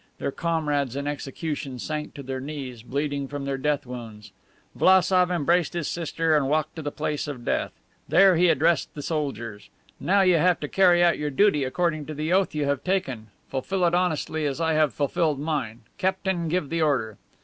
Their comrades in execution sank to their knees, bleeding from their death wounds. Vlassof embraced his sister and walked to the place of death. There he addressed the soldiers: 'Now you have to carry out your duty according to the oath you have taken. Fulfill it honestly as I have fulfilled mine. Captain, give the order.